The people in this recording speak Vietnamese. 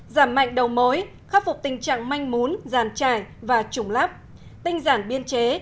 giảm mạnh đầu mối khắc phục tình trạng manh mún giàn trải và trùng lắp tinh giản biên chế